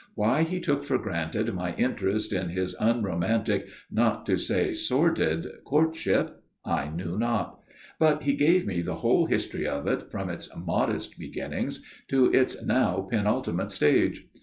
Why he took for granted my interest in his unromantic, not to say sordid, courtship I knew not; but he gave me the whole history of it from its modest beginnings to its now penultimate stage.